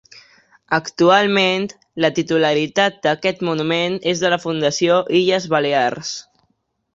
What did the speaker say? Actualment la titularitat d'aquest monument és de la Fundació Illes Balears.